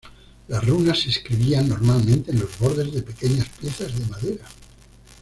Las runas se escribían normalmente en los bordes de pequeñas piezas de madera.